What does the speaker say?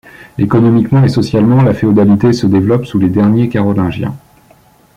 Économiquement et socialement, la féodalité se développe sous les derniers Carolingiens.